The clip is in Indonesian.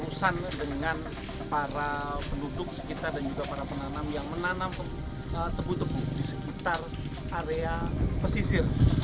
urusan dengan para penduduk sekitar dan juga para penanam yang menanam tebu tebu di sekitar area pesisir